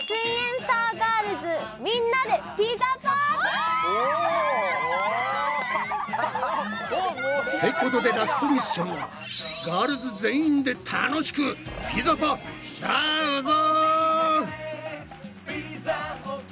お！ってことでラストミッションはガールズ全員で楽しくピザパしちゃうぞ！